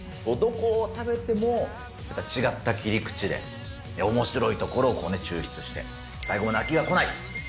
どこを食べても違った切り口で、おもしろいところを抽出して、最後まで飽きがこない。